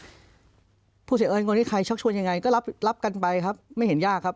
ผู้เสียเอิญคนนี้ใครชักชวนยังไงก็รับรับกันไปครับไม่เห็นยากครับ